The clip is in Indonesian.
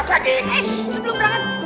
sampai puas lagi